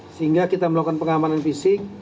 sehingga kita melakukan pengamanan fisik